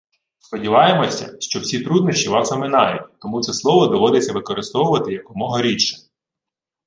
Сподіваємося, що всі труднощі вас оминають, тому це слово доводиться використовувати якомога рідше.